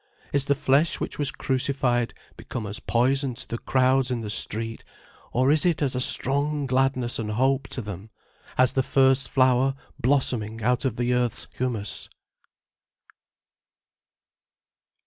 Is the flesh which was crucified become as poison to the crowds in the street, or is it as a strong gladness and hope to them, as the first flower blossoming out of the earth's humus?